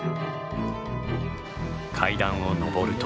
階段を上ると。